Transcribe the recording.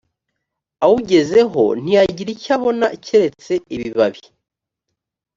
awugezeho ntiyagira icyo abona keretse ibibabi